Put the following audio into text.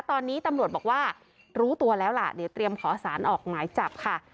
ตอนนี้ตำรวจบอกว่ารู้ตัวแล้วล่ะเดี๋ยวเตรียมขอสารออกหมายจับค่ะ